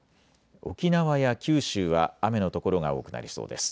沖縄や九州は雨の所が多くなりそうです。